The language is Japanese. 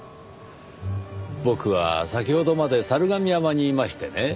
僕は先ほどまで猿峨見山にいましてね